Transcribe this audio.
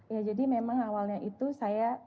ya jadi memang awalnya itu saya